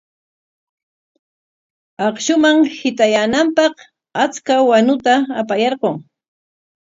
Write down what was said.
Akshuman hitayaananpaq achka wanuta apayarqun.